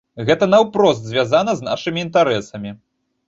Гэта наўпрост звязана з нашымі інтарэсамі.